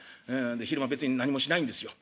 で昼間別に何もしないんですよねっ。